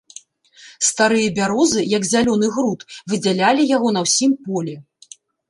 Старыя бярозы, як зялёны груд, выдзялялі яго на ўсім полі.